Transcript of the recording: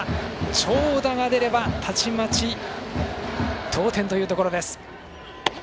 長打が出ればたちまち同点というところです。